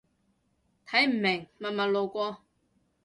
睇唔明，默默路過